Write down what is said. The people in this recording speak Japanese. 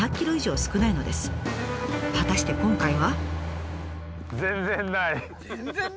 果たして今回は？